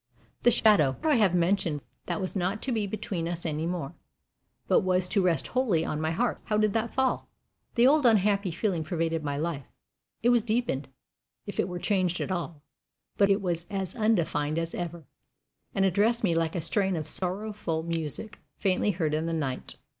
The shadow I have mentioned that was not to be between us any more, but was to rest wholly on my heart how did that fall? The old unhappy feeling pervaded my life. It was deepened, if it were changed at all; but it was as undefined as ever, and addressed me like a strain of sorrowful music faintly heard in the night.